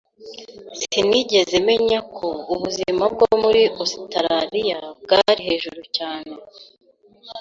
Sinigeze menya ko ubuzima bwo muri Ositaraliya bwari hejuru cyane.